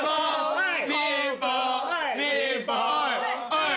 はい！